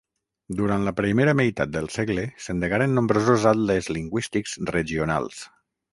Durant la primera meitat del segle s'endegaren nombrosos atles lingüístics regionals.